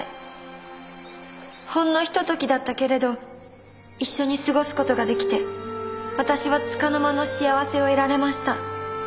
ほんのひとときだったけれど一緒に過ごす事ができて私はつかの間の幸せを得られました。